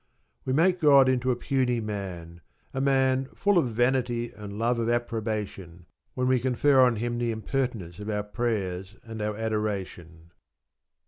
We make God into a puny man, a man full of vanity and "love of approbation," when we confer on Him the impertinence of our prayers and our adoration.